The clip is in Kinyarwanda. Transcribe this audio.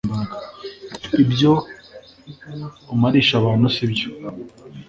ibyo umarisha abantu sibyo